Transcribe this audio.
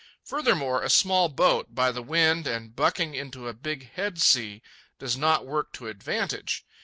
Furthermore, a small boat, by the wind and bucking into a big headsea, does not work to advantage.